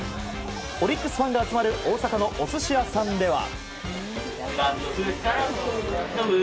オリックスファンが集まる大阪のお寿司屋さんでは。